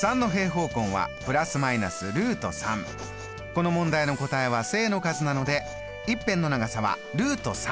この問題の答えは正の数なので１辺の長さはです。